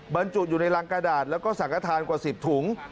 บรรจุอยู่ในรังกระดาษแล้วก็สังกระทานกว่า๑๐ถุง